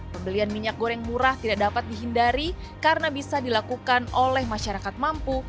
pembelian minyak goreng murah tidak dapat dihindari karena bisa dilakukan oleh masyarakat mampu